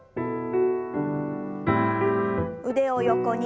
腕を横に。